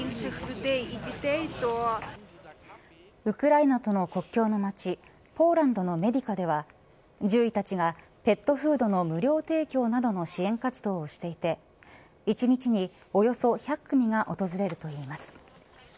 ウクライナとの国境の町ポーランドのメディカでは獣医たちがペットフードの無料提供などの支援活動をしていて１日に、およそ１００組が訪れるといいます。